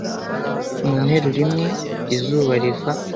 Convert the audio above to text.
mu nteruro imwe, izuba riva